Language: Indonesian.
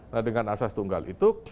nah dengan asas tunggal itu